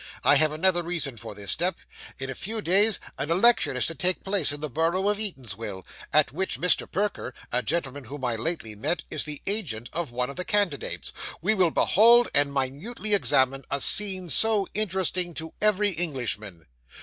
I have another reason for this step. In a few days, an election is to take place for the borough of Eatanswill, at which Mr. Perker, a gentleman whom I lately met, is the agent of one of the candidates. We will behold, and minutely examine, a scene so interesting to every Englishman.